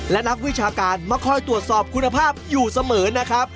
และนักวิชาการมาคอยตรวจสอบคุณภาพอยู่เสมอนะครับ